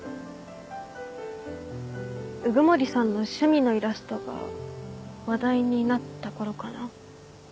鵜久森さんの趣味のイラストが話題になった頃かな。